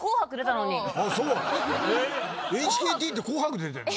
ＨＫＴって『紅白』出てんの？